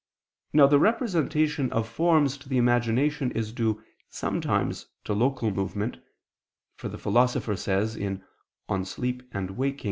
Now the representation of forms to the imagination is due, sometimes, to local movement: for the Philosopher says (De Somno et Vigil.) [*De Insomn. iii, iv.